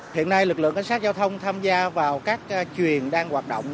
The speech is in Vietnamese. hiện nay lực lượng cảnh sát giao thông tham gia vào các chuồng đang hoạt động